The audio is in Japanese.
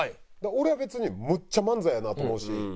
俺は別にむっちゃ漫才やなと思うし。